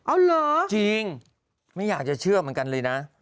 เอาเหรอจริงไม่อยากจะเชื่อเหมือนกันเลยนะ